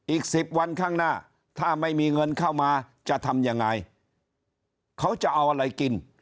อีก๑๐วันข้างหน้าถ้าไม่มีเงินเข้ามาจะทำยังไงเขาจะเอาอะไรกิน